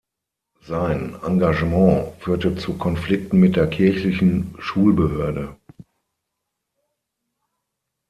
Sein Engagement führte zu Konflikten mit der kirchlichen Schulbehörde.